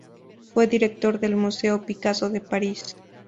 Fue director del Museo Picasso de París.